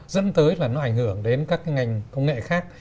dẫn tới là nó ảnh hưởng đến các cái ngành công nghệ khác